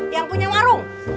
yang punya warung